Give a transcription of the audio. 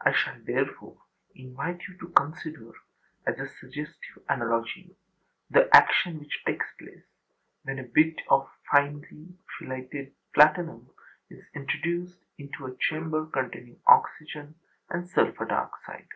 I shall, therefore, invite you to consider, as a suggestive analogy, the action which takes place when a bit of finely filiated platinum is introduced into a chamber containing oxygen and sulphur dioxide.